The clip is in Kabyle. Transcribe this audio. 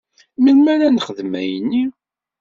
Melmi ara ad nexdem ayenni?